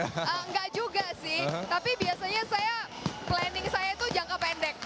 enggak juga sih tapi biasanya saya planning saya itu jangka pendek